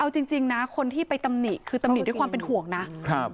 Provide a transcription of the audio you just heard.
เอาจริงนะคนที่ไปตำหนิคือตำหนิด้วยความเป็นห่วงนะครับ